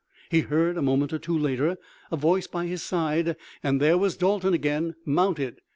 He heard a moment or two later a voice by his side and there was Dalton again mounted.